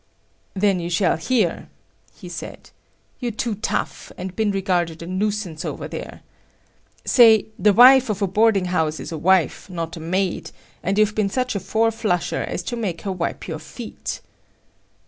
"Then you shall hear," he said. "You're too tough and been regarded a nuisance over there. Say, the wife of a boarding house is a wife, not a maid, and you've been such a four flusher as to make her wipe your feet."